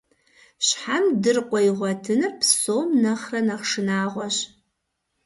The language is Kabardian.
Щхьэм дыркъуэ игъуэтыныр псом нэхърэ нэхъ шынагъуэщ.